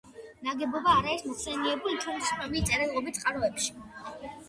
ნაგებობა არ არის მოხსენიებული ჩვენთვის ცნობილ წერილობით წყაროებში.